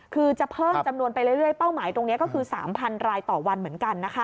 คือจะเพิ่มจำนวนไปเรื่อยเป้าหมายตรงนี้ก็คือ๓๐๐รายต่อวันเหมือนกันนะคะ